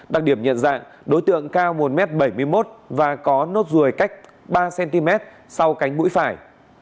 đặc điểm nhận dạng đối tượng cao một m bảy mươi một và có nốt ruồi cách ba cm sau cánh mũi phải